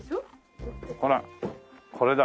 ほらっこれだ。